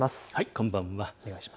こんばんは。